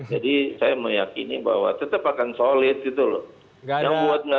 jadi saya meyakini bahwa tetap akan solid gitu loh